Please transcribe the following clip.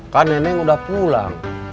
kan nenek udah pulang